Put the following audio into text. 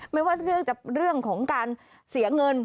ไม่ว่าจะเป็นเรื่องของการเสียเงิน